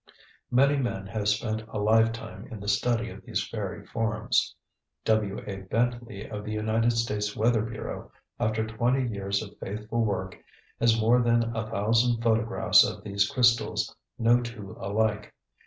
Many men have spent a lifetime in the study of these fairy forms. W. A. Bentley, of the United States weather bureau, after twenty years of faithful work, has more than a thousand photographs of these crystals, no two alike.